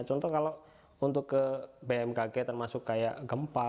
contoh kalau untuk ke bmkg termasuk kayak gempa